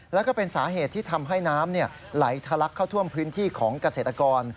แล้วก็เป็นสาเหตุที่ทำให้น้ำไหลทะลักเข้าท่วมพื้นที่ของเกษตรกร